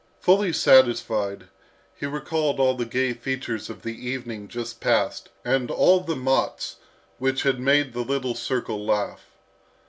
Fully satisfied, he recalled all the gay features of the evening just passed and all the mots which had made the little circle laugh.